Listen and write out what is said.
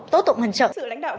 tổ tục ngân trọng